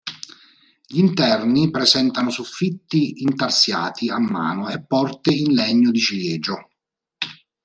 Gli interni presentano soffitti intarsiati a mano e porte in legno di ciliegio.